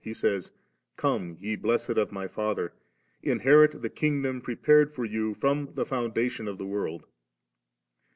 He says, 'Come, ye blessed of My Father, inherit the kingdom prepared for you firom the foundation of the world *.